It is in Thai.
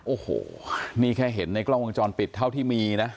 โอ้โหนี่แค่เห็นในกล้องวงจรปิดเท่าที่มีนะ